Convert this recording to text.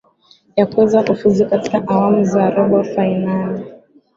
ya kuweza kufuzu katika awamu za robo fainali